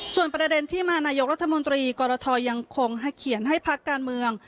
ส่วนประเด็นที่มานายกรัฐมนตรีกรทยังคงเขียนให้พักการเมือง